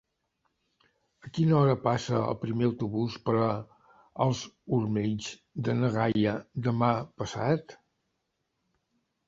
A quina hora passa el primer autobús per els Omells de na Gaia demà passat?